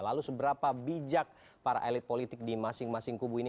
lalu seberapa bijak para elit politik di masing masing kubu ini